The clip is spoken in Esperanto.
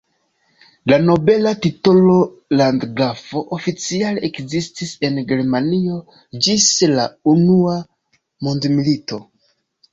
La nobela titolo "landgrafo" oficiale ekzistis en Germanio ĝis la Unua Mondmilito.